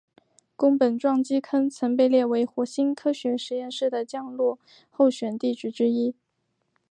宫本撞击坑曾被列为火星科学实验室的降落候选地点之一。